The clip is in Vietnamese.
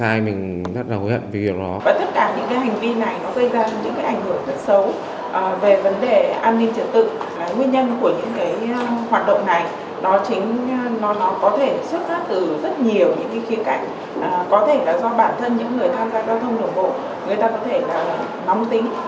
có thể là do bản thân những người tham gia giao thông đồng hồ người ta có thể là nóng tính nóng nặng